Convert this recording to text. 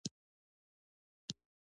د ماسپښين لمونځ لس رکعته دی